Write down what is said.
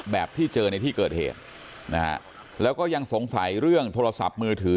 แบบที่เจอในที่เกิดเหตุนะฮะแล้วก็ยังสงสัยเรื่องโทรศัพท์มือถือ